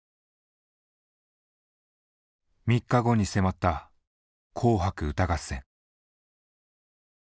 ３日後に迫った「紅白歌合戦」。